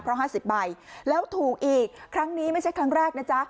เพราะ๕๐ใบแล้วถูกอีกครั้งนี้ไม่ใช่ครั้งแรกนะจ๊ะ